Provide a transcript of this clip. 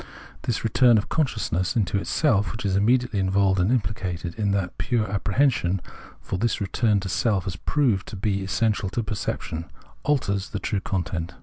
This return of consciousness into itself, which is immediately involved and implicated in that pure apprehension — for this return to self has proved to be essential to perception — alters the true content.